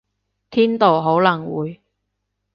天道好輪迴